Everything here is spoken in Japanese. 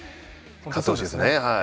勝ってほしいですね。